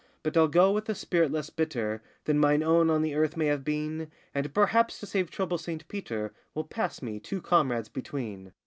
But I'll go with a spirit less bitter Than mine own on the earth may have been, And, perhaps, to save trouble, Saint Peter Will pass me, two comrades between.